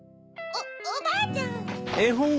おばあちゃん！